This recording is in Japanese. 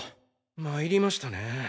参りましたね。